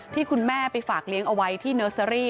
ที่คุณแม่ไปฝากเลี้ยงเอาไว้ที่เนอร์เซอรี่